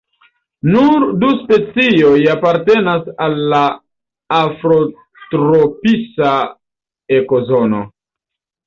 Nur du specioj apartenas al la afrotropisa ekozono.